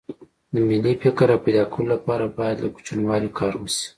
د ملي فکر راپیدا کولو لپاره باید له کوچنیوالي کار وشي